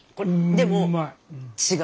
でも違う。